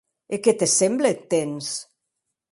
E qué te semble eth temps?